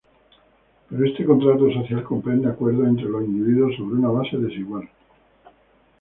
Pero este contrato social comprende acuerdos entre los individuos sobre una base desigual.